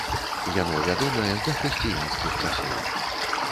Яно вядомае з дахрысціянскіх часоў.